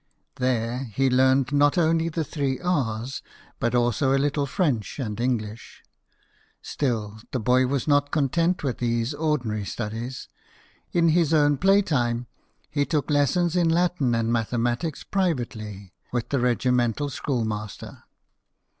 There he learned, not only the three R's, but also a little French and English. Still, the boy was not content with these ordinary studies ; in his own playtime he took lessons in Latin and mathematics privately with the regimental school master.